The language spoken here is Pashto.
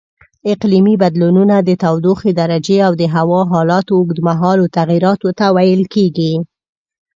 اقلیمي بدلونونه د تودوخې درجې او د هوا حالاتو اوږدمهالو تغییراتو ته ویل کېږي.